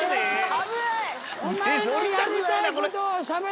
危ない。